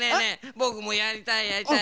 ぼくもやりたいやりたい！